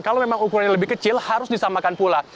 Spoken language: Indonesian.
kalau memang ukuran yang lebih kecil harus disamakan pula